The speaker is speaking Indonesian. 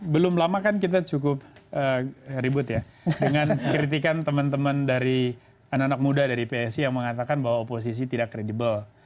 belum lama kan kita cukup ribut ya dengan kritikan teman teman dari anak anak muda dari psi yang mengatakan bahwa oposisi tidak kredibel